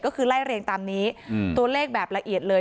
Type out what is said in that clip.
ก็คือไล่เรียงตามนี้ตัวเลขแบบละเอียดเลย